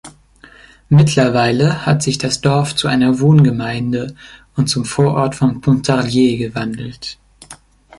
Mittlerweile hat sich das Dorf zu einer Wohngemeinde und zum Vorort von Pontarlier gewandelt.